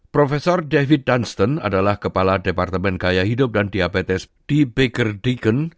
profesor david dunstan adalah kepala departemen gaya hidup dan diabetes di baker deakin